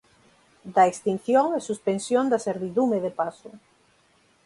Da extinción e suspensión da servidume de paso